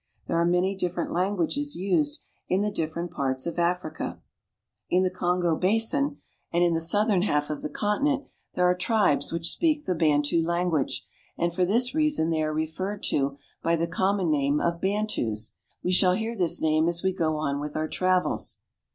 There are many different languages used in the different parts of Africa. In the Kongo basin pr, wni ^_ tive E ■R 1 66 AFRICA and in the southern half of the continent there are tribes which speak the Bantu language, and for this reason they are referred to by the common name of Bantus. We shall hear this name as we go on with our travels.